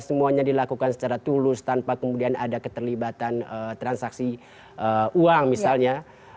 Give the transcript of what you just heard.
semuanya dilakukan secara tulus tanpa kemudian ada keterlibatan transaksi uang misalnya